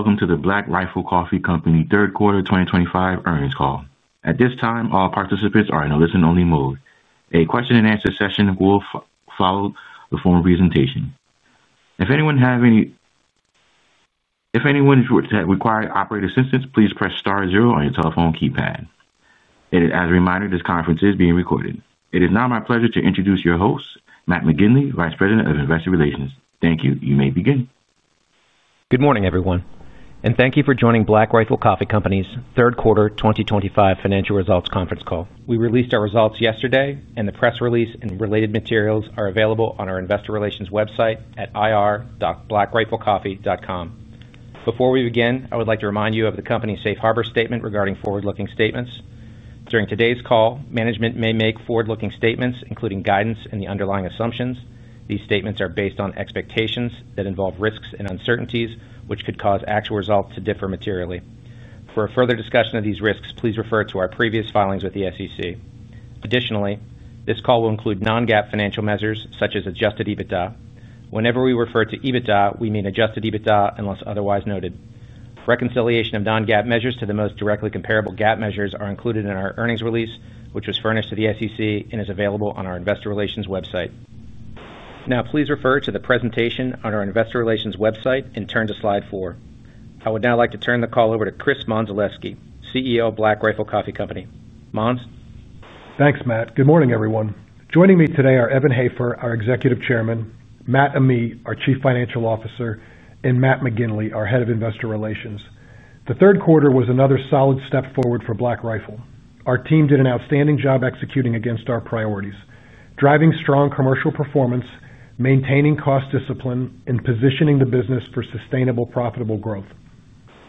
Welcome to the Black Rifle Coffee Company third quarter 2025 earnings call. At thiis time, all participants are in a listen-only mode. A question-and-answer session will follow the formal presentation. If anyone requires operator assistance, please press star zero on your telephone keypad. As a reminder, this conference is being recorded. It is now my pleasure to introduce your host, Matt McGinley, Vice President of Investor Relations. Thank you. You may begin. Good morning, everyone, and thank you for joining Black Rifle Coffee Company's third quarter 2025 financial results conference call. We released our results yesterday, and the press release and related materials are available on our investor relations website at irr.blackriflecoffee.com. Before we begin, I would like to remind you of the company's safe harbor statement regarding forward-looking statements. During today's call, management may make forward-looking statements, including guidance and the underlying assumptions. These statements are based on expectations that involve risks and uncertainties, which could cause actual results to differ materially. For further discussion of these risks, please refer to our previous filings with the SEC. Additionally, this call will include non-GAAP financial measures, such as adjusted EBITDA. Whenever we refer to EBITDA, we mean adjusted EBITDA unless otherwise noted. Reconciliation of non-GAAP measures to the most directly comparable GAAP measures is included in our earnings release, which was furnished to the SEC and is available on our investor relations website. Now, please refer to the presentation on our investor relations website and turn to slide four. I would now like to turn the call over to Chris Mondzelewski, CEO of Black Rifle Coffee Company. Mons? Thanks, Matt. Good morning, everyone. Joining me today are Evan Hafer, our Executive Chairman; Matt Amigh, our Chief Financial Officer; and Matt McGinley, our Head of Investor Relations. The third quarter was another solid step forward for Black Rifle. Our team did an outstanding job executing against our priorities: driving strong commercial performance, maintaining cost discipline, and positioning the business for sustainable, profitable growth.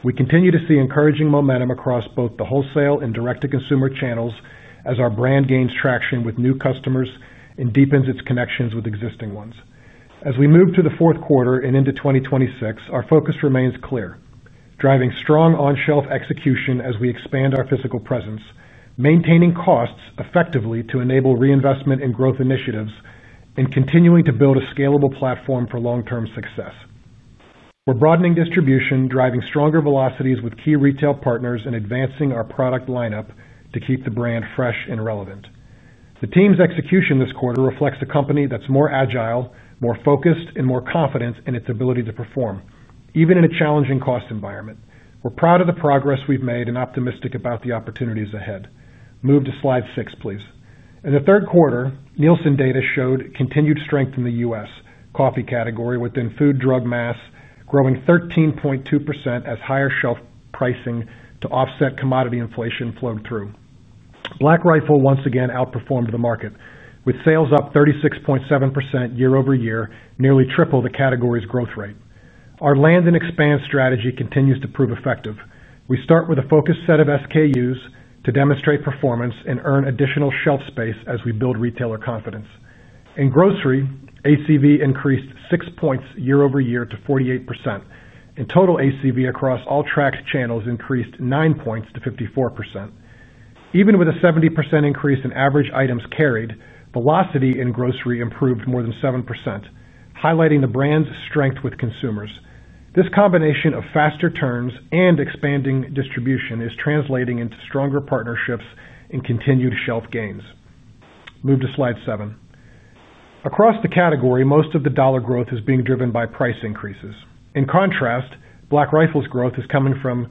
We continue to see encouraging momentum across both the wholesale and direct-to-consumer channels as our brand gains traction with new customers and deepens its connections with existing ones. As we move to the fourth quarter and into 2026, our focus remains clear: driving strong on-shelf execution as we expand our physical presence, maintaining costs effectively to enable reinvestment and growth initiatives, and continuing to build a scalable platform for long-term success. We are broadening distribution, driving stronger velocities with key retail partners, and advancing our product lineup to keep the brand fresh and relevant. The team's execution this quarter reflects a company that is more agile, more focused, and more confident in its ability to perform, even in a challenging cost environment. We are proud of the progress we have made and optimistic about the opportunities ahead. Move to slide six, please. In the third quarter, Nielsen data showed continued strength in the U.S. coffee category within food, drug, and mass, growing 13.2% as higher shelf pricing to offset commodity inflation flowed through. Black Rifle once again outperformed the market, with sales up 36.7% year-over-year, nearly triple the category's growth rate. Our land and expand strategy continues to prove effective. We start with a focused set of SKUs to demonstrate performance and earn additional shelf space as we build retailer confidence. In grocery, ACV increased six points year-over-year to 48%. In total, ACV across all tracked channels increased nine points to 54%. Even with a 70% increase in average items carried, velocity in grocery improved more than 7%, highlighting the brand's strength with consumers. This combination of faster turns and expanding distribution is translating into stronger partnerships and continued shelf gains. Move to slide seven. Across the category, most of the dollar growth is being driven by price increases. In contrast, Black Rifle's growth is coming from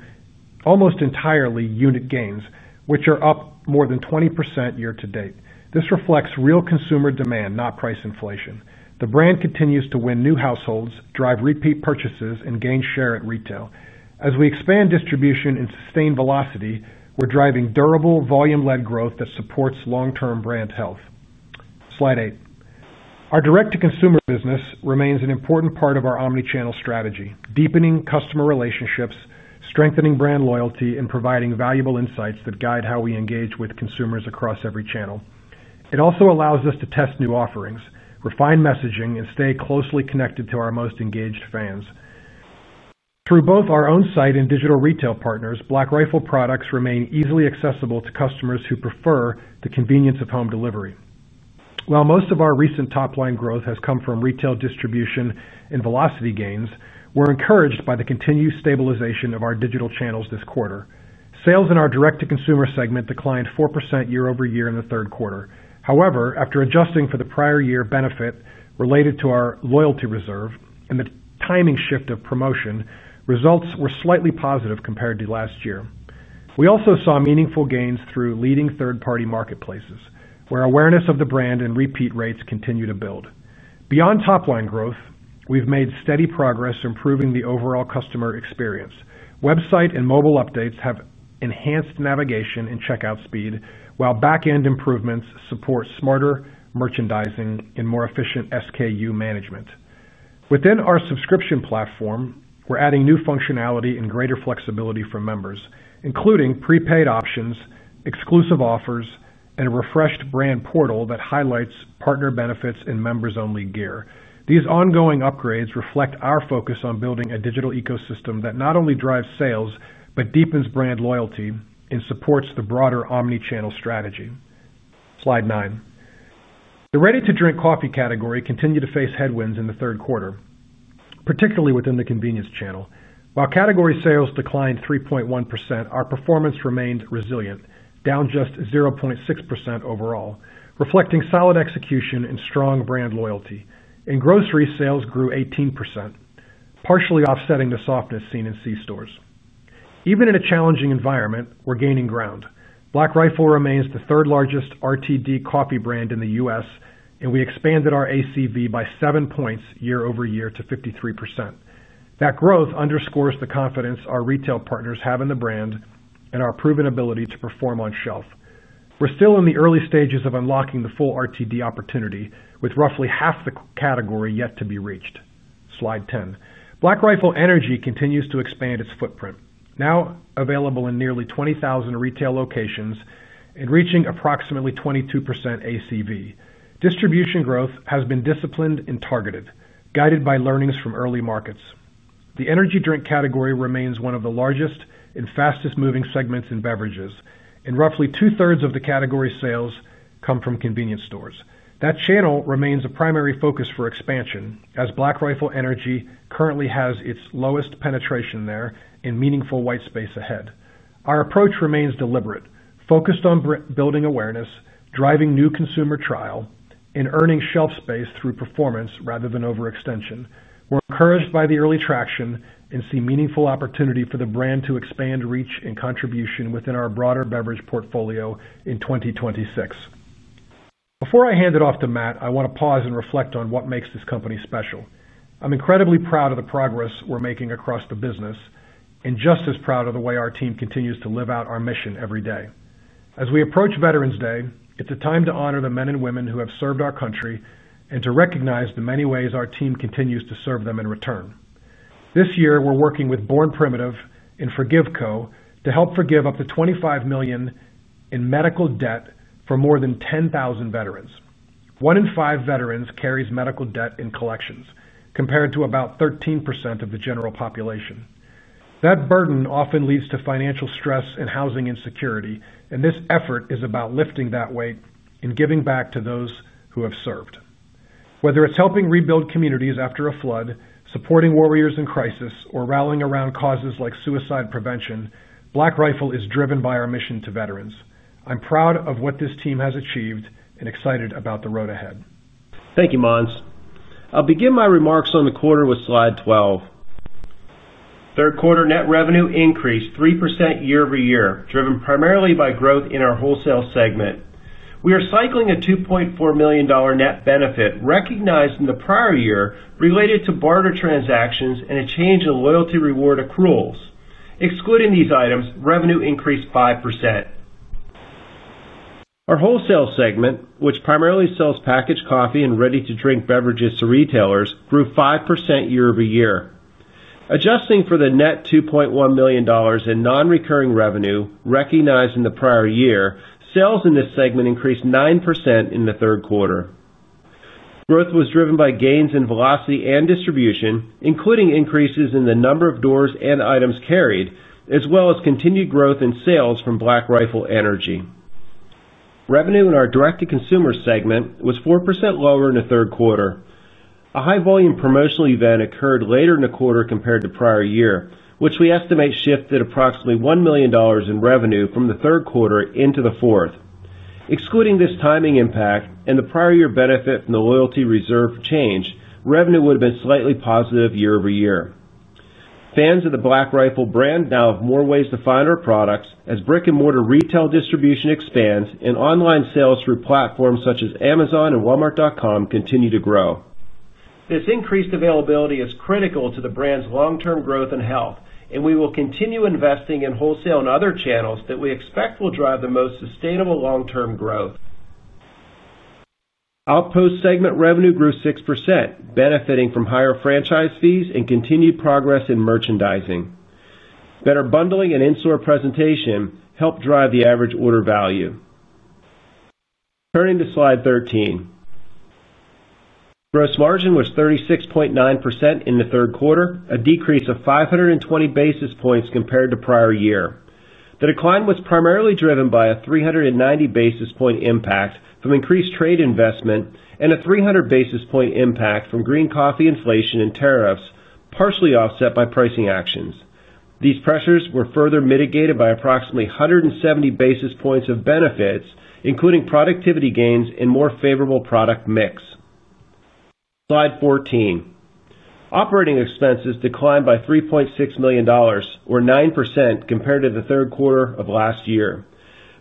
almost entirely unit gains, which are up more than 20% year to date. This reflects real consumer demand, not price inflation. The brand continues to win new households, drive repeat purchases, and gain share at retail. As we expand distribution and sustain velocity, we are driving durable, volume-led growth that supports long-term brand health. Slide eight. Our direct-to-consumer business remains an important part of our omnichannel strategy, deepening customer relationships, strengthening brand loyalty, and providing valuable insights that guide how we engage with consumers across every channel. It also allows us to test new offerings, refine messaging, and stay closely connected to our most engaged fans. Through both our own site and digital retail partners, Black Rifle products remain easily accessible to customers who prefer the convenience of home delivery. While most of our recent top-line growth has come from retail distribution and velocity gains, we're encouraged by the continued stabilization of our digital channels this quarter. Sales in our direct-to-consumer segment declined 4% year-over-year in the third quarter. However, after adjusting for the prior year benefit related to our loyalty reserve and the timing shift of promotion, results were slightly positive compared to last year. We also saw meaningful gains through leading third-party marketplaces, where awareness of the brand and repeat rates continue to build. Beyond top-line growth, we've made steady progress improving the overall customer experience. Website and mobile updates have enhanced navigation and checkout speed, while back-end improvements support smarter merchandising and more efficient SKU management. Within our subscription platform, we're adding new functionality and greater flexibility for members, including prepaid options, exclusive offers, and a refreshed brand portal that highlights partner benefits and members-only gear. These ongoing upgrades reflect our focus on building a digital ecosystem that not only drives sales but deepens brand loyalty and supports the broader omnichannel strategy. Slide nine. The ready-to-drink coffee category continued to face headwinds in the third quarter, particularly within the convenience channel. While category sales declined 3.1%, our performance remained resilient, down just 0.6% overall, reflecting solid execution and strong brand loyalty. In grocery sales, we grew 18%, partially offsetting the softness seen in C-stores. Even in a challenging environment, we're gaining ground. Black Rifle remains the third-largest RTD coffee brand in the U.S., and we expanded our ACV by seven points year-ove- year to 53%. That growth underscores the confidence our retail partners have in the brand and our proven ability to perform on shelf. We're still in the early stages of unlocking the full RTD opportunity, with roughly half the category yet to be reached. Slide ten. Black Rifle Energy continues to expand its footprint, now available in nearly 20,000 retail locations and reaching approximately 22% ACV. Distribution growth has been disciplined and targeted, guided by learnings from early markets. The energy drink category remains one of the largest and fastest-moving segments in beverages, and roughly two-thirds of the category sales come from convenience stores. That channel remains a primary focus for expansion, as Black Rifle Energy currently has its lowest penetration there and meaningful white space ahead. Our approach remains deliberate, focused on building awareness, driving new consumer trial, and earning shelf space through performance rather than overextension. We're encouraged by the early traction and see meaningful opportunity for the brand to expand reach and contribution within our broader beverage portfolio in 2026. Before I hand it off to Matt, I want to pause and reflect on what makes this company special. I'm incredibly proud of the progress we're making across the business. I am just as proud of the way our team continues to live out our mission every day. As we approach Veterans Day, it's a time to honor the men and women who have served our country and to recognize the many ways our team continues to serve them in return. This year, we're working with Born Primitive and ForgiveCo to help forgive up to $25 million in medical debt for more than 10,000 veterans. One in five veterans carries medical debt in collections, compared to about 13% of the general population. That burden often leads to financial stress and housing insecurity, and this effort is about lifting that weight and giving back to those who have served. Whether it's helping rebuild communities after a flood, supporting warriors in crisis, or rallying around causes like suicide prevention, Black Rifle is driven by our mission to veterans. I'm proud of what this team has achieved and excited about the road ahead. Thank you, Mons. I'll begin my remarks on the quarter with slide 12. Third quarter net revenue increased 3% year over year, driven primarily by growth in our wholesale segment. We are cycling a $2.4 million net benefit recognized in the prior year related to barter transactions and a change in loyalty reward accruals. Excluding these items, revenue increased 5%. Our wholesale segment, which primarily sells packaged coffee and ready-to-drink beverages to retailers, grew 5% year-over-year. Adjusting for the net $2.1 million in non-recurring revenue recognized in the prior year, sales in this segment increased 9% in the third quarter. Growth was driven by gains in velocity and distribution, including increases in the number of doors and items carried, as well as continued growth in sales from Black Rifle Energy. Revenue in our direct-to-consumer segment was 4% lower in the third quarter. A high-volume promotional event occurred later in the quarter compared to prior year, which we estimate shifted approximately $1 million in revenue from the third quarter into the fourth. Excluding this timing impact and the prior year benefit from the loyalty reserve change, revenue would have been slightly positive year over year. Fans of the Black Rifle brand now have more ways to find our products as brick-and-mortar retail distribution expands and online sales through platforms such as Amazon and Walmart.com continue to grow. This increased availability is critical to the brand's long-term growth and health, and we will continue investing in wholesale and other channels that we expect will drive the most sustainable long-term growth. Outpost segment revenue grew 6%, benefiting from higher franchise fees and continued progress in merchandising. Better bundling and in-store presentation helped drive the average order value. Turning to slide 13. Gross margin was 36.9% in the third quarter, a decrease of 520 basis points compared to prior year. The decline was primarily driven by a 390 basis point impact from increased trade investment and a 300 basis point impact from green coffee inflation and tariffs, partially offset by pricing actions. These pressures were further mitigated by approximately 170 basis points of benefits, including productivity gains and a more favorable product mix. Slide 14. Operating expenses declined by $3.6 million, or 9%, compared to the third quarter of last year.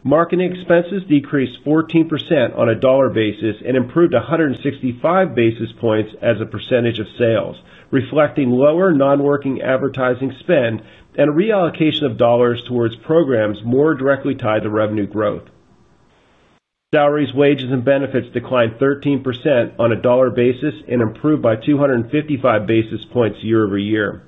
Marketing expenses decreased 14% on a dollar basis and improved 165 basis points as a percentage of sales, reflecting lower non-working advertising spend and a reallocation of dollars towards programs more directly tied to revenue growth. Salaries, wages, and benefits declined 13% on a dollar basis and improved by 255 basis points year-over-year.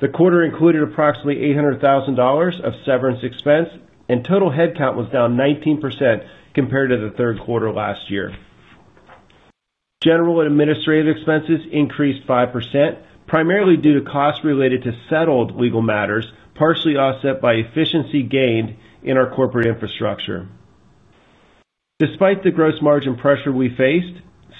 The quarter included approximately $800,000 of severance expense, and total headcount was down 19% compared to the third quarter last year. General and administrative expenses increased 5%, primarily due to costs related to settled legal matters, partially offset by efficiency gained in our corporate infrastructure. Despite the gross margin pressure we faced,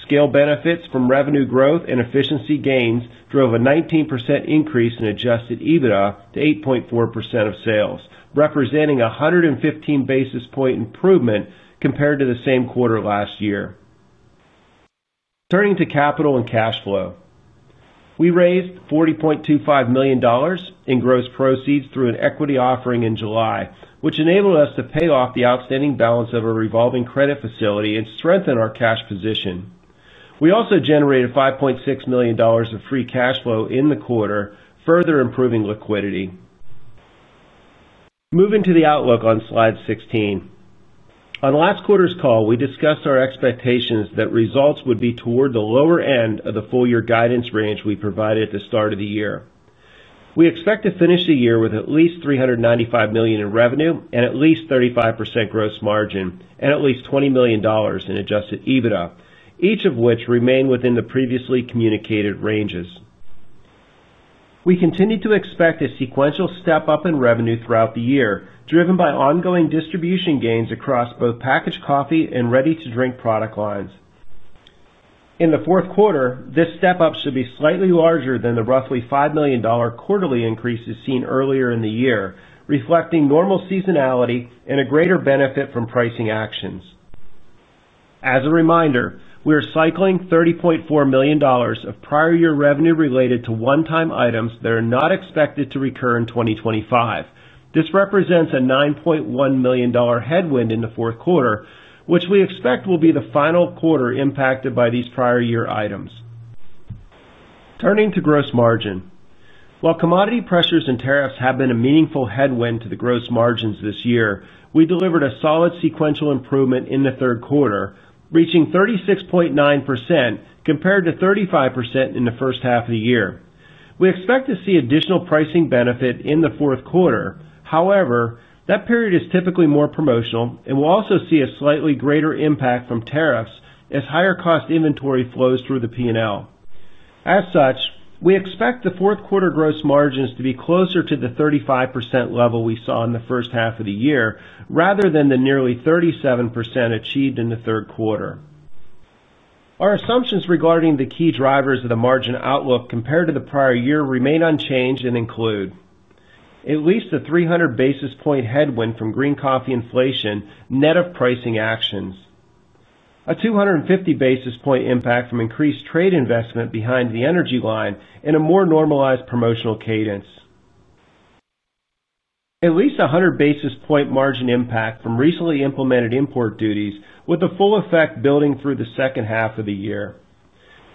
scale benefits from revenue growth and efficiency gains drove a 19% increase in adjusted EBITDA to 8.4% of sales, representing a 115 basis point improvement compared to the same quarter last year. Turning to capital and cash flow. We raised $40.25 million in gross proceeds through an equity offering in July, which enabled us to pay off the outstanding balance of a revolving credit facility and strengthen our cash position. We also generated $5.6 million of free cash flow in the quarter, further improving liquidity. Moving to the outlook on slide 16. On last quarter's call, we discussed our expectations that results would be toward the lower end of the full-year guidance range we provided at the start of the year. We expect to finish the year with at least $395 million in revenue and at least 35% gross margin and at least $20 million in adjusted EBITDA, each of which remained within the previously communicated ranges. We continue to expect a sequential step-up in revenue throughout the year, driven by ongoing distribution gains across both packaged coffee and ready-to-drink product lines. In the fourth quarter, this step-up should be slightly larger than the roughly $5 million quarterly increases seen earlier in the year, reflecting normal seasonality and a greater benefit from pricing actions. As a reminder, we are cycling $30.4 million of prior-year revenue related to one-time items that are not expected to recur in 2025. This represents a $9.1 million headwind in the fourth quarter, which we expect will be the final quarter impacted by these prior-year items. Turning to gross margin. While commodity pressures and tariffs have been a meaningful headwind to the gross margins this year, we delivered a solid sequential improvement in the third quarter, reaching 36.9% compared to 35% in the first half of the year. We expect to see additional pricing benefit in the fourth quarter. However, that period is typically more promotional and will also see a slightly greater impact from tariffs as higher-cost inventory flows through the P&L. As such, we expect the fourth-quarter gross margins to be closer to the 35% level we saw in the first half of the year rather than the nearly 37% achieved in the third quarter. Our assumptions regarding the key drivers of the margin outlook compared to the prior year remain unchanged and include. At least a 300-basis-point headwind from green coffee inflation net of pricing actions. A 250-basis-point impact from increased trade investment behind the energy line and a more normalized promotional cadence. At least a 100-basis-point margin impact from recently implemented import duties, with the full effect building through the second half of the year.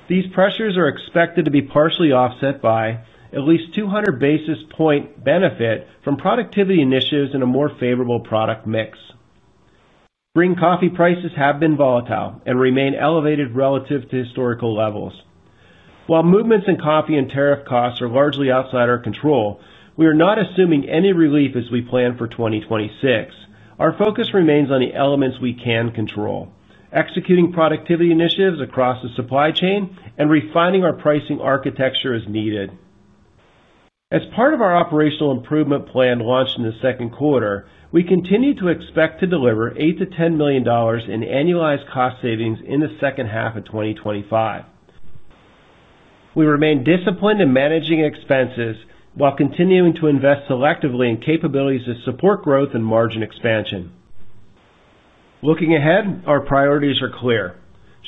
These pressures are expected to be partially offset by at least a 200-basis-point benefit from productivity initiatives and a more favorable product mix. Green coffee prices have been volatile and remain elevated relative to historical levels. While movements in coffee and tariff costs are largely outside our control, we are not assuming any relief as we plan for 2026. Our focus remains on the elements we can control: executing productivity initiatives across the supply chain and refining our pricing architecture as needed. As part of our operational improvement plan launched in the second quarter, we continue to expect to deliver $8 million-$10 million in annualized cost savings in the second half of 2025. We remain disciplined in managing expenses while continuing to invest selectively in capabilities to support growth and margin expansion. Looking ahead, our priorities are clear: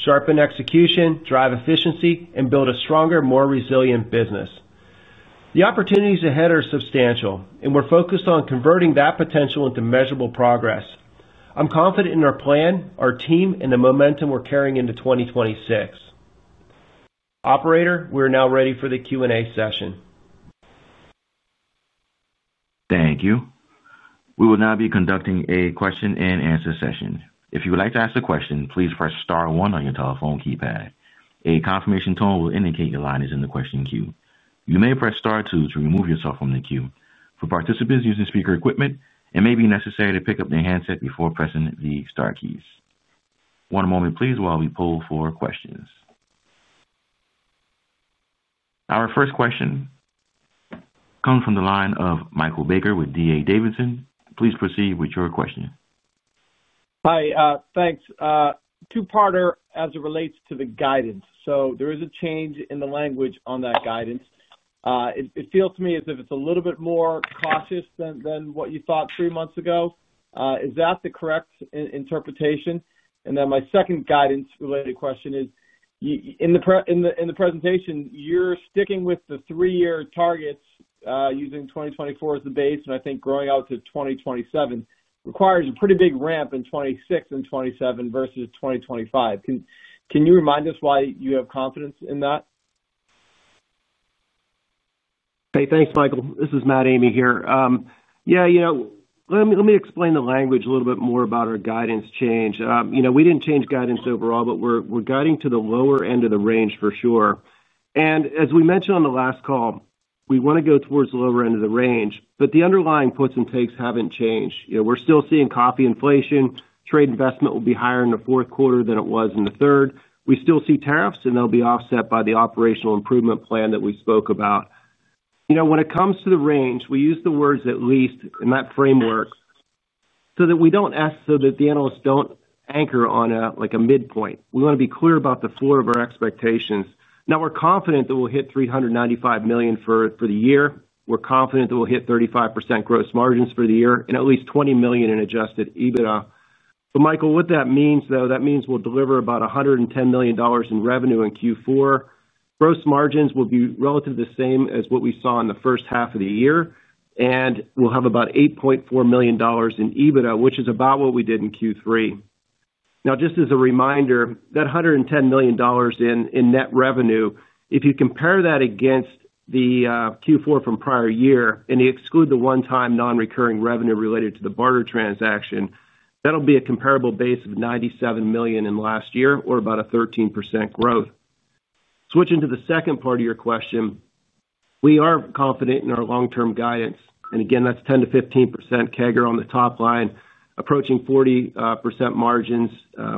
sharpen execution, drive efficiency, and build a stronger, more resilient business. The opportunities ahead are substantial, and we're focused on converting that potential into measurable progress. I'm confident in our plan, our team, and the momentum we're carrying into 2026. Operator, we are now ready for the Q&A session. Thank you. We will now be conducting a question-and-answer session. If you would like to ask a question, please press star one on your telephone keypad. A confirmation tone will indicate your line is in the question queue. You may press star two to remove yourself from the queue. For sarticipants using speaker equipment, it may be necessary to pick up their handset before pressing the Star keys. One moment, please, while we pull for questions. Our first question comes from the line of Michael Baker with DA Davidson. Please proceed with your question. Hi. Thanks. Two-parter as it relates to the guidance. There is a change in the language on that guidance. It feels to me as if it's a little bit more cautious than what you thought three months ago. Is that the correct interpretation? My second guidance-related question is, in the presentation, you're sticking with the three-year targets using 2024 as the base, and I think growing out to 2027 requires a pretty big ramp in 2026 and 2027 versus 2025. Can you remind us why you have confidence in that? Hey, thanks, Michael. This is Matt Amigh here. Yeah. Let me explain the language a little bit more about our guidance change. We did not change guidance overall, but we are guiding to the lower end of the range for sure. As we mentioned on the last call, we want to go towards the lower end of the range, but the underlying puts and takes have not changed. We are still seeing coffee inflation. Trade investment will be higher in the fourth quarter than it was in the third. We still see tariffs, and they will be offset by the operational improvement plan that we spoke about. When it comes to the range, we use the words "at least" in that framework so that the analysts do not anchor on a midpoint. We want to be clear about the floor of our expectations. Now, we are confident that we will hit $395 million for the year. We are confident that we will hit 35% gross margins for the year and at least $20 million in adjusted EBITDA. Michael, what that means, though, is that we will deliver about $110 million in revenue in Q4. Gross margins will be relative to the same as what we saw in the first half of the year, and we will have about $8.4 million in EBITDA, which is about what we did in Q3. Just as a reminder, that $110 million in net revenue, if you compare that against Q4 from the prior year and you exclude the one-time non-recurring revenue related to the barter transaction, that will be a comparable base of $97 million in last year or about a 13% growth. Switching to the second part of your question, we are confident in our long-term guidance. Again, that is 10%-15% CAGR on the top line, approaching 40% margins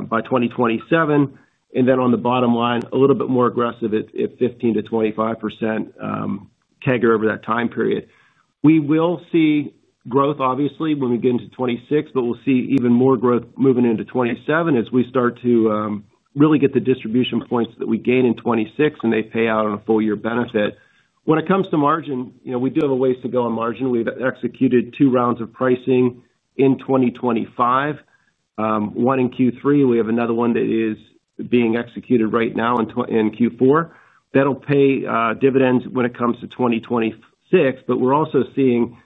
by 2027. On the bottom line, a little bit more aggressive at 15%-25% CAGR over that time period. We will see growth, obviously, when we get into 2026, but we will see even more growth moving into 2027 as we start to really get the distribution points that we gain in 2026, and they pay out on a full-year benefit. When it comes to margin, we do have a ways to go on margin. We have executed two rounds of pricing in 2025. One in Q3. We have another one that is being executed right now in Q4. That will pay dividends when it comes to 2026, but we are also seeing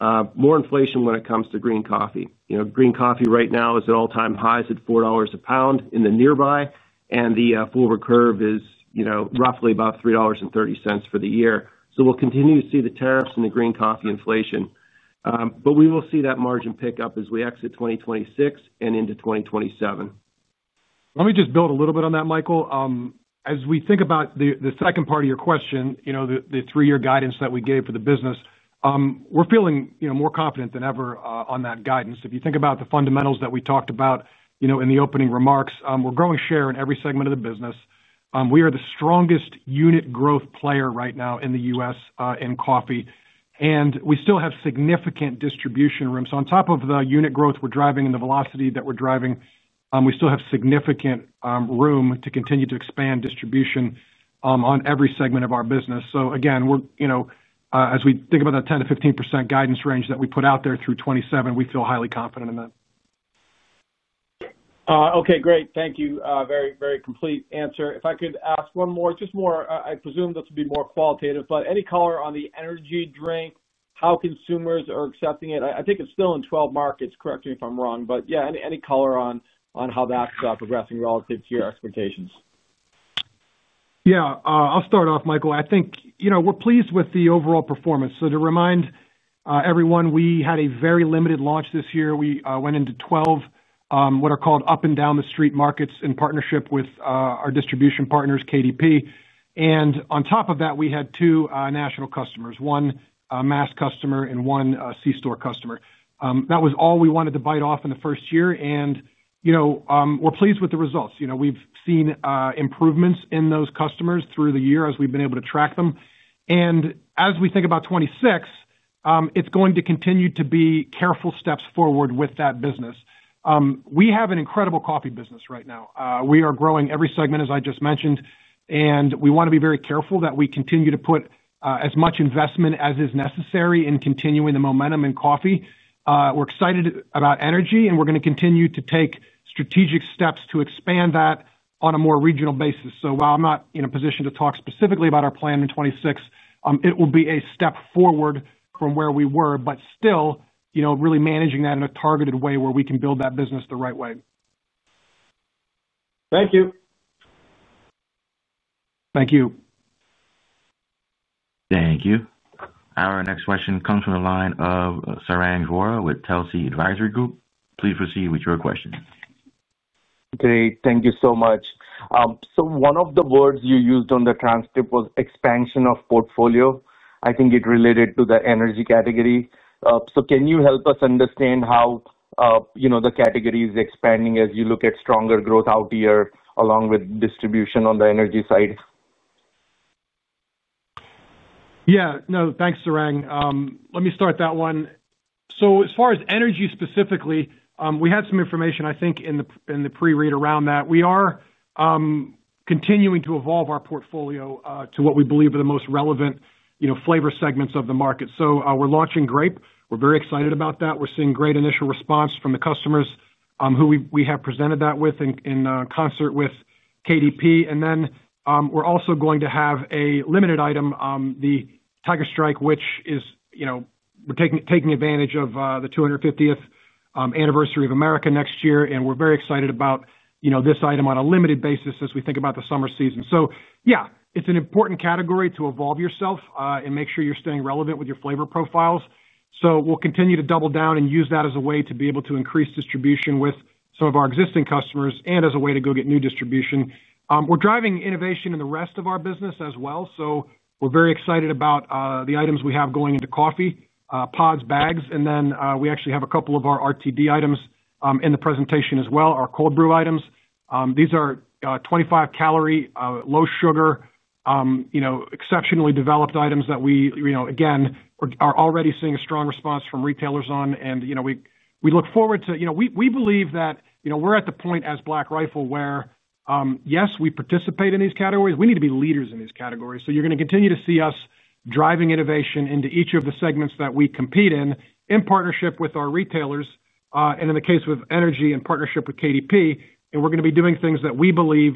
more inflation when it comes to green coffee. Green coffee right now is at all-time highs at $4 a pound in the nearby, and the forward curve is roughly about $3.30 for the year. We will continue to see the tariffs and the green coffee inflation, but we will see that margin pick up as we exit 2026 and into 2027. Let me just build a little bit on that, Michael. As we think about the second part of your question, the three-year guidance that we gave for the business. We're feeling more confident than ever on that guidance. If you think about the fundamentals that we talked about in the opening remarks, we're growing share in every segment of the business. We are the strongest unit growth player right now in the U.S. in coffee, and we still have significant distribution room. On top of the unit growth we're driving and the velocity that we're driving, we still have significant room to continue to expand distribution on every segment of our business. Again, as we think about that 10%-15% guidance range that we put out there through 2027, we feel highly confident in that. Okay. Great. Thank you. Very, very complete answer. If I could ask one more, just more, I presume this would be more qualitative, but any color on the energy drink, how consumers are accepting it? I think it's still in 12 markets. Correct me if I'm wrong, but yeah, any color on how that's progressing relative to your expectations? Yeah. I'll start off, Michael. I think we're pleased with the overall performance. To remind everyone, we had a very limited launch this year. We went into 12 what are called up-and-down-the-street markets in partnership with our distribution partners, KDP. On top of that, we had two national customers, one mass customer and one C-store customer. That was all we wanted to bite off in the first year. We're pleased with the results. We've seen improvements in those customers through the year as we've been able to track them. As we think about 2026, it's going to continue to be careful steps forward with that business. We have an incredible coffee business right now. We are growing every segment, as I just mentioned, and we want to be very careful that we continue to put as much investment as is necessary in continuing the momentum in coffee. We're excited about energy, and we're going to continue to take strategic steps to expand that on a more regional basis. While I'm not in a position to talk specifically about our plan in 2026, it will be a step forward from where we were, but still really managing that in a targeted way where we can build that business the right way. Thank you. Thank you. Thank you. Our next question comes from the line of Sarang Vora with Telsey Advisory Group. Please proceed with your question. Okay. Thank you so much. One of the words you used on the transcript was expansion of portfolio. I think it related to the energy category. Can you help us understand how the category is expanding as you look at stronger growth out here along with distribution on the energy side? Yeah. No, thanks, Sarang. Let me start that one. As far as energy specifically, we had some information, I think, in the pre-read around that. We are continuing to evolve our portfolio to what we believe are the most relevant flavor segments of the market. We're launching grape. We're very excited about that. We're seeing great initial response from the customers who we have presented that with in concert with KDP. We're also going to have a limited item, the Tiger Strike, which is taking advantage of the 250th anniversary of America next year, and we're very excited about this item on a limited basis as we think about the summer season. Yeah, it's an important category to evolve yourself and make sure you're staying relevant with your flavor profiles. We'll continue to double down and use that as a way to be able to increase distribution with some of our existing customers and as a way to go get new distribution. We're driving innovation in the rest of our business as well. We're very excited about the items we have going into coffee, pods, bags, and then we actually have a couple of our RTD items in the presentation as well, our cold brew items. These are 25-calorie, low sugar, exceptionally developed items that we, again, are already seeing a strong response from retailers on, and we look forward to—we believe that we're at the point as Black Rifle where, yes, we participate in these categories. We need to be leaders in these categories. You're going to continue to see us driving innovation into each of the segments that we compete in in partnership with our retailers and in the case with energy in partnership with KDP, and we're going to be doing things that we believe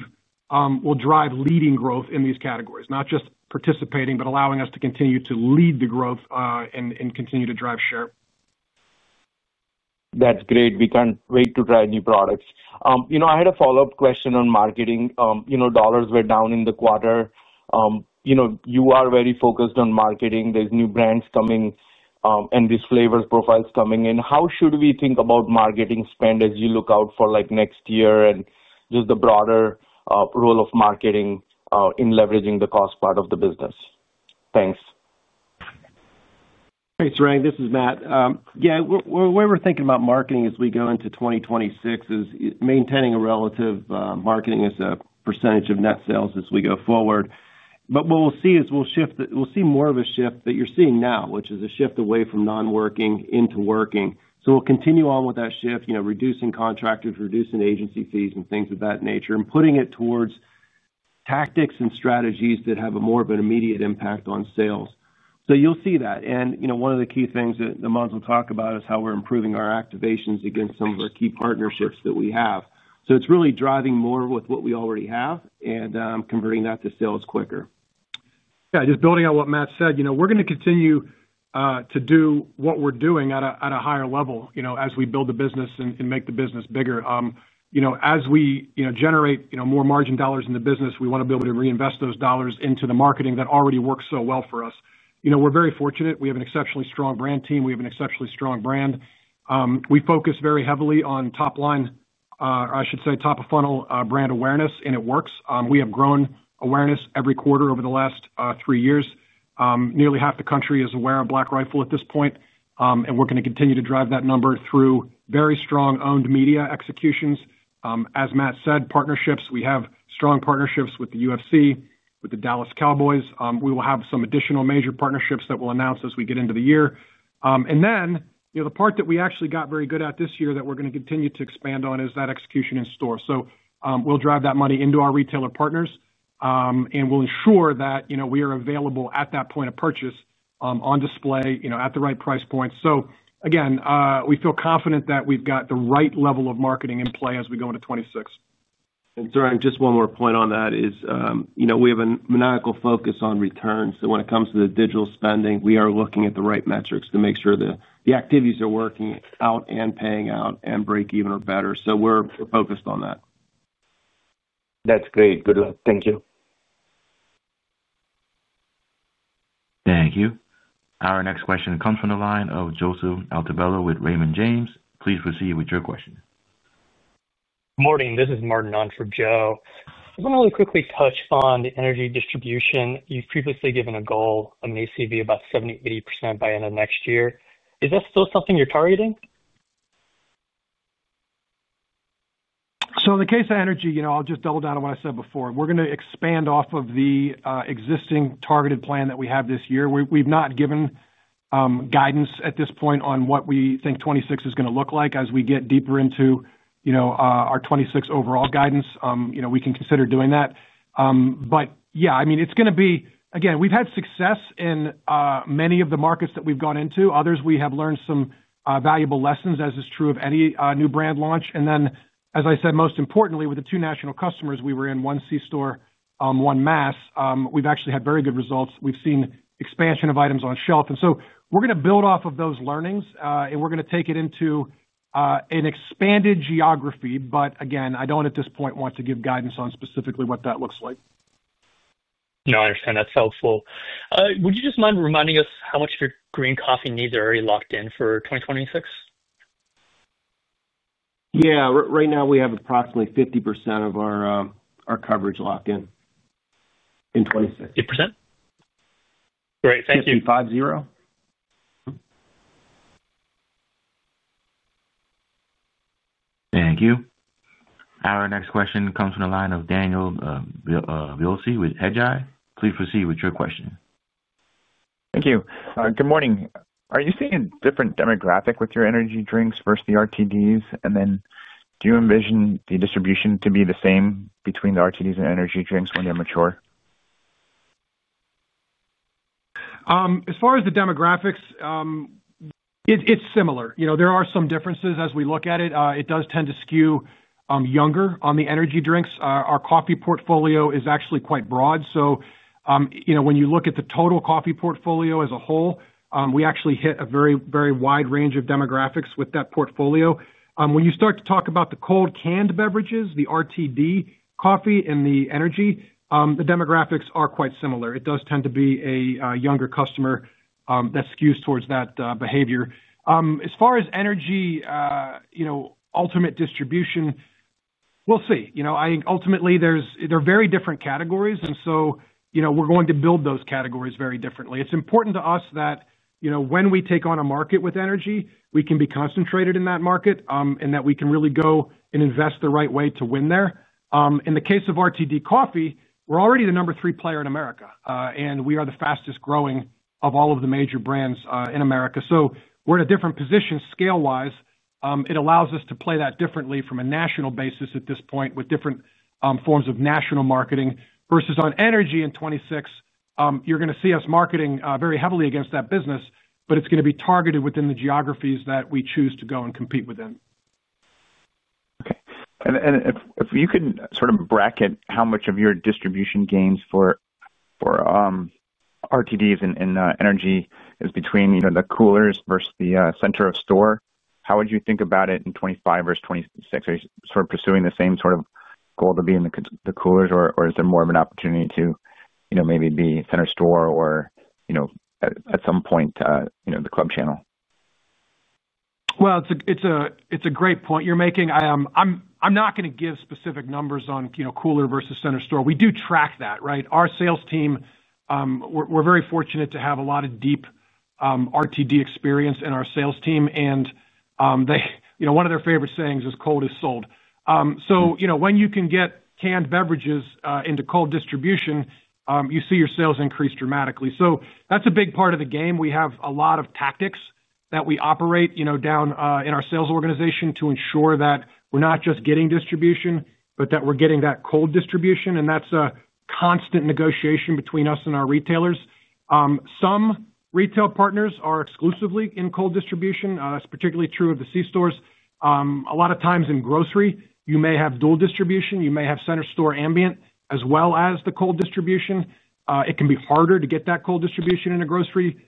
will drive leading growth in these categories, not just participating, but allowing us to continue to lead the growth and continue to drive share. That's great. We can't wait to try new products. I had a follow-up question on marketing. Dollars were down in the quarter. You are very focused on marketing. There's new brands coming. And these flavor profiles coming in. How should we think about marketing spend as you look out for next year and just the broader role of marketing in leveraging the cost part of the business? Thanks. Hey, Sarang. This is Matt. Yeah, the way we're thinking about marketing as we go into 2026 is maintaining a relative marketing as a percentage of net sales as we go forward. What we'll see is we'll see more of a shift that you're seeing now, which is a shift away from non-working into working. We'll continue on with that shift, reducing contractors, reducing agency fees, and things of that nature, and putting it towards tactics and strategies that have more of an immediate impact on sales. You'll see that. One of the key things that the models will talk about is how we're improving our activations against some of our key partnerships that we have. It's really driving more with what we already have and converting that to sales quicker. Yeah. Just building on what Matt said, we're going to continue to do what we're doing at a higher level as we build the business and make the business bigger. As we generate more margin dollars in the business, we want to be able to reinvest those dollars into the marketing that already works so well for us. We're very fortunate. We have an exceptionally strong brand team. We have an exceptionally strong brand. We focus very heavily on top line, or I should say top of funnel brand awareness, and it works. We have grown awareness every quarter over the last three years. Nearly half the country is aware of Black Rifle at this point, and we're going to continue to drive that number through very strong owned media executions. As Matt said, partnerships. We have strong partnerships with the UFC, with the Dallas Cowboys. We will have some additional major partnerships that we'll announce as we get into the year. The part that we actually got very good at this year that we're going to continue to expand on is that execution in store. We'll drive that money into our retailer partners, and we'll ensure that we are available at that point of purchase, on display, at the right price point. Again, we feel confident that we've got the right level of marketing in play as we go into 2026. Sarang, just one more point on that is we have a maniacal focus on returns. When it comes to the digital spending, we are looking at the right metrics to make sure the activities are working out and paying out and break even or better. We are focused on that. That's great. Good luck. Thank you. Thank you. Our next question comes from the line of Joseph Altivello with Raymond James. Please proceed with your question. Good morning. This is Martin on for Joe. I want to really quickly touch on the energy distribution. You've previously given a goal of an ACV about 70%-80% by end of next year. Is that still something you're targeting? In the case of energy, I'll just double down on what I said before. We're going to expand off of the existing targeted plan that we have this year. We've not given guidance at this point on what we think 2026 is going to look like as we get deeper into our 2026 overall guidance. We can consider doing that. Yeah, I mean, it's going to be, again, we've had success in many of the markets that we've gone into. Others, we have learned some valuable lessons, as is true of any new brand launch. Then, as I said, most importantly, with the two national customers we were in, one C-store, one mass, we've actually had very good results. We've seen expansion of items on shelf. We're going to build off of those learnings, and we're going to take it into an expanded geography. Again, I don't at this point want to give guidance on specifically what that looks like. No, I understand. That's helpful. Would you just mind reminding us how much of your green coffee needs are already locked in for 2026? Yeah. Right now, we have approximately 50% of our coverage locked in. In 2026. 8%? Great. Thank you. 50. Thank you. Our next question comes from the line of Daniel Vilsy with Tej Eye. Please proceed with your question. Thank you. Good morning. Are you seeing a different demographic with your energy drinks versus the RTDs? And then do you envision the distribution to be the same between the RTDs and energy drinks when they're mature? As far as the demographics, it's similar. There are some differences as we look at it. It does tend to skew younger on the energy drinks. Our coffee portfolio is actually quite broad. When you look at the total coffee portfolio as a whole, we actually hit a very, very wide range of demographics with that portfolio. When you start to talk about the cold canned beverages, the RTD coffee, and the energy, the demographics are quite similar. It does tend to be a younger customer that skews towards that behavior. As far as energy, ultimate distribution, we'll see. I think ultimately, they're very different categories, and so we're going to build those categories very differently. It's important to us that when we take on a market with energy, we can be concentrated in that market and that we can really go and invest the right way to win there. In the case of RTD coffee, we're already the number three player in America, and we are the fastest growing of all of the major brands in America. We're in a different position scale-wise. It allows us to play that differently from a national basis at this point with different forms of national marketing versus on energy in 2026. You're going to see us marketing very heavily against that business, but it's going to be targeted within the geographies that we choose to go and compete within. Okay. If you could sort of bracket how much of your distribution gains for RTDs and energy is between the coolers versus the center of store, how would you think about it in 2025 versus 2026? Are you sort of pursuing the same sort of goal to be in the coolers, or is there more of an opportunity to maybe be center store or at some point the club channel? It's a great point you're making. I'm not going to give specific numbers on cooler versus center store. We do track that, right? Our sales team, we're very fortunate to have a lot of deep RTD experience in our sales team. One of their favorite sayings is, "Cold is sold." When you can get canned beverages into cold distribution, you see your sales increase dramatically. That's a big part of the game. We have a lot of tactics that we operate down in our sales organization to ensure that we're not just getting distribution, but that we're getting that cold distribution. That's a constant negotiation between us and our retailers. Some retail partners are exclusively in cold distribution. That's particularly true of the C-stores. A lot of times in grocery, you may have dual distribution. You may have center store ambient as well as the cold distribution. It can be harder to get that cold distribution in a grocery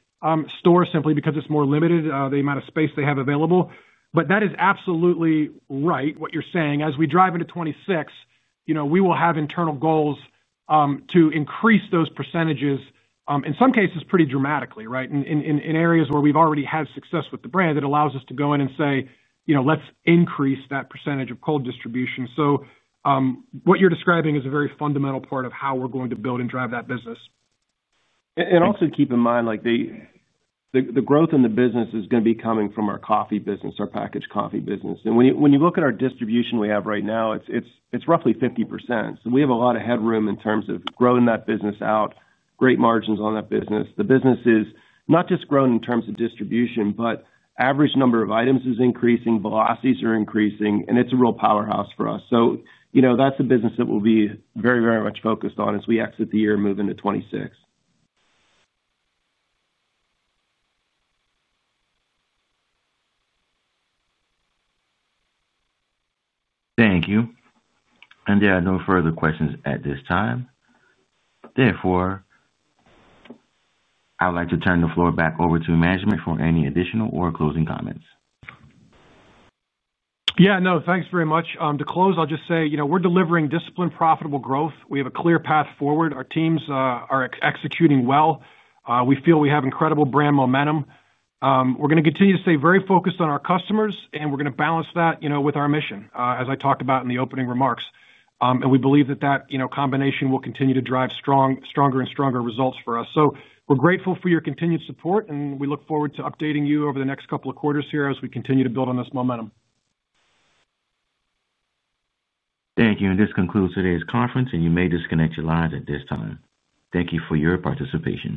store simply because it's more limited, the amount of space they have available. That is absolutely right, what you're saying. As we drive into 2026, we will have internal goals to increase those percentages, in some cases, pretty dramatically, right? In areas where we've already had success with the brand, it allows us to go in and say, "Let's increase that percentage of cold distribution." What you're describing is a very fundamental part of how we're going to build and drive that business. Also keep in mind. The growth in the business is going to be coming from our coffee business, our packaged coffee business. When you look at our distribution we have right now, it's roughly 50%. We have a lot of headroom in terms of growing that business out, great margins on that business. The business is not just growing in terms of distribution, but average number of items is increasing, velocities are increasing, and it's a real powerhouse for us. That is the business that we'll be very, very much focused on as we exit the year and move into 2026. Thank you. There are no further questions at this time. Therefore, I'd like to turn the floor back over to management for any additional or closing comments. Yeah. No, thanks very much. To close, I'll just say we're delivering disciplined, profitable growth. We have a clear path forward. Our teams are executing well. We feel we have incredible brand momentum. We're going to continue to stay very focused on our customers, and we're going to balance that with our mission, as I talked about in the opening remarks. We believe that that combination will continue to drive stronger and stronger results for us. We're grateful for your continued support, and we look forward to updating you over the next couple of quarters here as we continue to build on this momentum. Thank you. This concludes today's conference, and you may disconnect your lines at this time. Thank you for your participation.